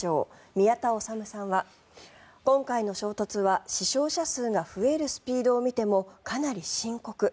宮田律さんは今回の衝突は死傷者数が増えるスピードを見てもかなり深刻。